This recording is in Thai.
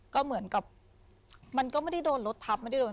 ก็เหมือนกับมันก็ไม่ได้โดนรถทับไม่ได้โดน